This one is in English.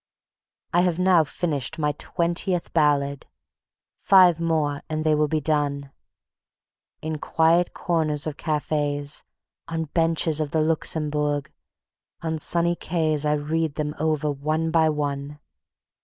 I have now finished my twentieth ballad. Five more and they will be done. In quiet corners of cafes, on benches of the Luxembourg, on the sunny Quays I read them over one by one.